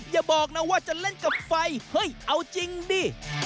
อย่าบอกนะว่าจะเล่นกับไฟเฮ้ยเอาจริงดิ